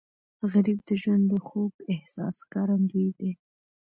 غریب د ژوند د خوږ احساس ښکارندوی دی